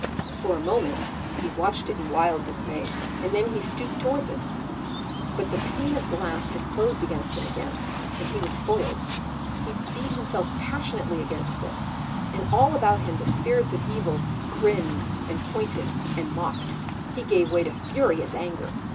For a moment he watched it in wild dismay, and then he stooped towards it. But the pane of glass had closed against him again, and he was foiled. He beat himself passionately against this, and all about him the spirits of evil grinned and pointed and mocked. He gave way to furious anger.